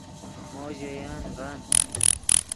مو ژے ین ڤن